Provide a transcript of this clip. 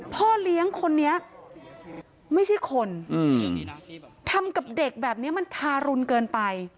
พ่อเลี้ยงคนนี้ไม่ใช่คนทำกับเด็กแบบนี้มันทารุณเกินไป